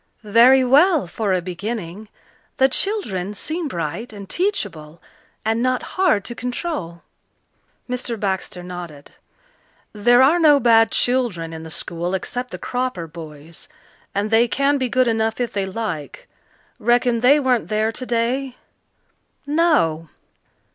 "Very well for a beginning. The children seem bright and teachable and not hard to control." Mr. Baxter nodded. "There are no bad children in the school except the Cropper boys and they can be good enough if they like. Reckon they weren't there today?" "No."